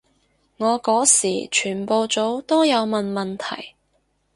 我嗰時全部組都有問問題